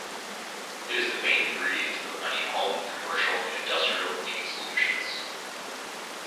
It is the main ingredient of many home, commercial and industrial cleaning solutions.